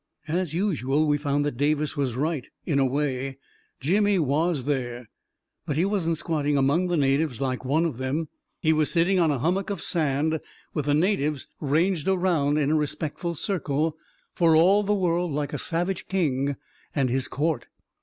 As usual, we found that Davis was right, in a way. Jimmy was there. But he wasn't squatting among the natives like one of them. He was sitting on a hummock of sand, with the natives ranged i A KING IN BABYLON 355 around in a respectful circle, for all the world like a savage king and his court.